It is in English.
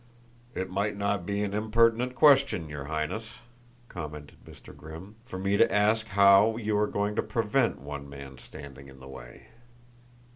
"It might not be an impertinent question, your Highness," commented Mr. Grimm, "for me to ask how you are going to prevent one man standing in the way?"